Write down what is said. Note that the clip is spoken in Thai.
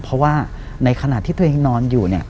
เพราะว่าในขณะที่ตัวเองนอนอยู่เนี่ย